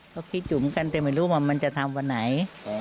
ก็คิดอยู่เหมือนกันแต่ไม่รู้ว่ามันจะทำวันไหน